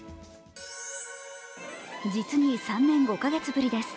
実に３年５か月ぶりです。